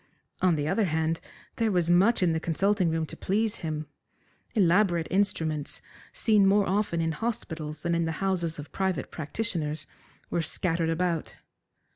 On the other hand, there was much in the consulting room to please him. Elaborate instruments, seen more often in hospitals than in the houses of private practitioners, were scattered about.